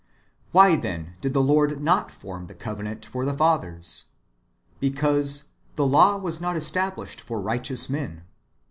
Why, then, did the Lord not form the covenant for the fathers % Because " the law was not established for rio hteous men."